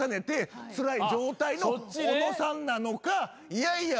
いやいや。